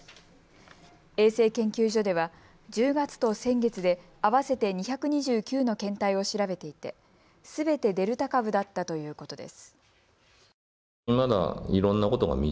衛生研究所では１０月と先月で合わせて２２９の検体を調べていてすべてデルタ株だったということです。